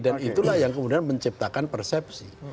dan itulah yang kemudian menciptakan persepsi